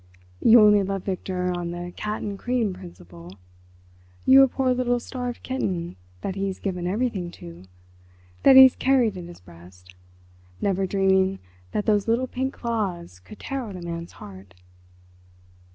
You only love Victor on the cat and cream principle—you a poor little starved kitten that he's given everything to, that he's carried in his breast, never dreaming that those little pink claws could tear out a man's heart."